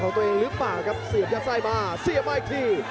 โอเคครับเอาปวก